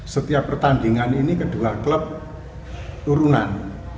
setiap pertandingan ini kedua klub turunan